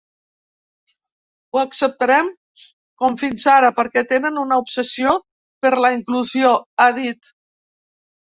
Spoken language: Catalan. Ho acceptarem com fins ara perquè tenen una obsessió per la inclusió, ha dit.